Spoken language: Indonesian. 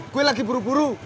gue lagi buru buru